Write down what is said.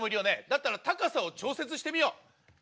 だったら高さを調節してみよう。